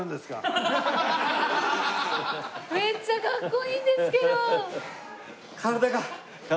めっちゃかっこいいんですけど！